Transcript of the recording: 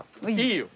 いいよ。